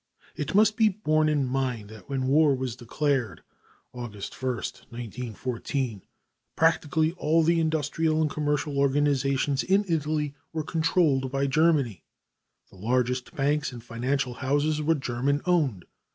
It must be borne in mind that when war was declared (August 1, 1914) practically all the industrial and commercial organizations in Italy were controlled by Germany. The largest banks and financial houses were German owned.